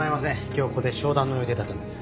今日ここで商談の予定だったんです。